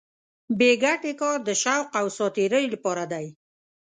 بې ګټې کار د شوق او ساتېرۍ لپاره دی.